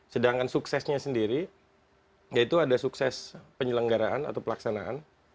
sedangkan suksesnya sendiri yaitu ada sukses penyelenggaraan atau pelaksanaan